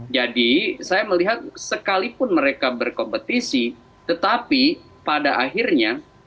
jadi saya melihat sekalipun mereka berkompetisi tetapi pada akhirnya